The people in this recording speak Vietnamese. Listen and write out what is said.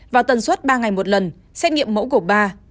và tần suất ba ngày một lần xét nghiệm mẫu của ba